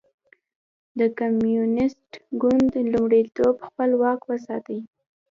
د کمونېست ګوند لومړیتوب خپل واک وساتي.